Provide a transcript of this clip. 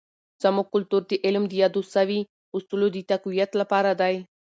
زموږ کلتور د علم د یادو سوي اصولو د تقویت لپاره دی.